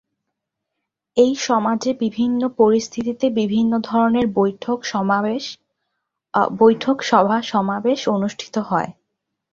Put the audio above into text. এ সমাজে বিভিন্ন পরিস্থিতিতে বিভিন্ন ধরনের বৈঠক, সভা সমাবেশ অনুষ্ঠিত হয়।